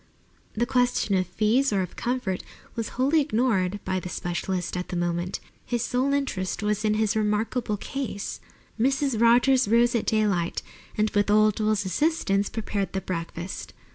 The question of fees or of comfort was wholly ignored by the specialist at the moment. His sole interest was in his remarkable case. Mrs. Rogers rose at daylight and with old Will's assistance prepared the breakfast.